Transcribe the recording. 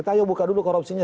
ayo buka dulu korupsinya